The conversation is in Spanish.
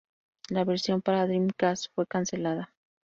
La versión para Dreamcast fue cancelada.